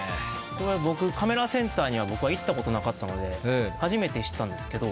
僕カメラセンターには行ったことなかったので初めて知ったんですけど。